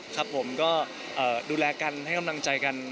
ครับผมก็ดูแลกันให้กำลังใจกัน